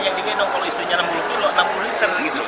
yang dikenal kalau istrinya enam puluh enam puluh liter gitu